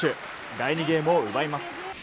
第２ゲームを奪います。